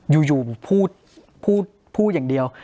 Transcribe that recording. อยู่พูดพูดอย่างเดียว